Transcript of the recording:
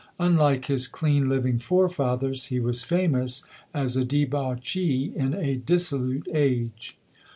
Unlike his clean living forefathers, he was famous as a debauchee in a dissolute age.